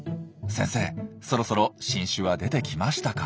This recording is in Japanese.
先生そろそろ新種は出てきましたか？